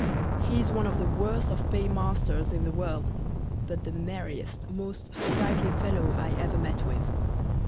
He is one of the worst of Pay masters in the World, but the merriest, most sprightly Fellow I ever met with.